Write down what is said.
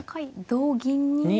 同銀に。